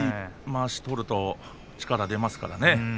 まわしを取ると力が出ますね。